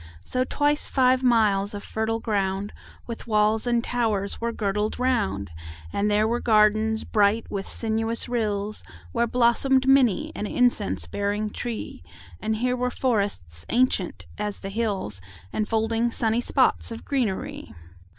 5 So twice five miles of fertile ground With walls and towers were girdled round: And there were gardens bright with sinuous rills Where blossom'd many an incense bearing tree; And here were forests ancient as the hills, 10 Enfolding sunny spots of greenery.